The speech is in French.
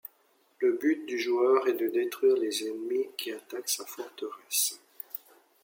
Le but du joueur est de détruire les ennemis qui attaquent sa forteresse.